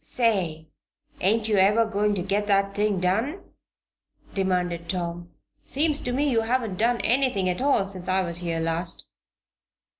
"Say! ain't you ever going to get that thing done?" demanded Tom. "Seems to me you haven't done anything at all since I was here last."